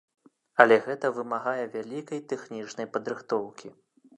Але гэта вымагае вялікай тэхнічнай падрыхтоўкі.